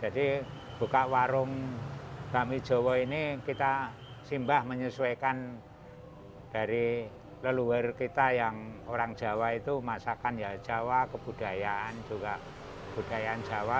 jadi buka warung bakmi jowo ini kita simbah menyesuaikan dari leluhur kita yang orang jawa itu masakan ya jawa kebudayaan juga budaya jawa